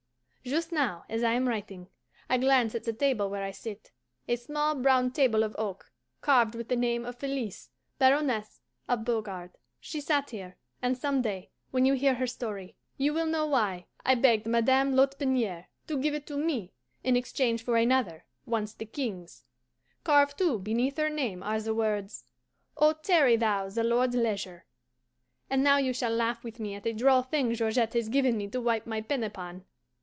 Just now, as I am writing, I glance at the table where I sit a small brown table of oak, carved with the name of Felise, Baroness of Beaugard. She sat here; and some day, when you hear her story, you will know why I begged Madame Lotbiniere to give it to me in exchange for another, once the King's. Carved, too, beneath her name, are the words, "Oh, tarry thou the Lord's leisure." And now you shall laugh with me at a droll thing Georgette has given me to wipe my pen upon.